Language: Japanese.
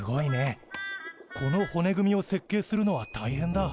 この骨組みを設計するのは大変だ。